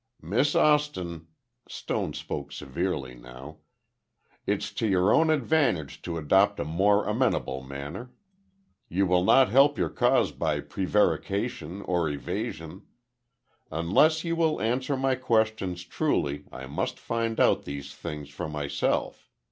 "Miss Austin," Stone spoke severely now, "it's to your own advantage to adopt a more amenable manner. You will not help your cause by prevarication or evasion. Unless you will answer my questions truly, I must find out these things for myself.